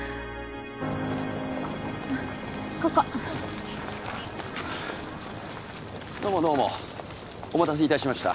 ここどうもどうもお待たせいたしました